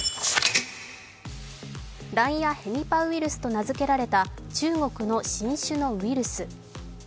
ランヤヘニパウイルスと名付けられた中国の新種ウイルス。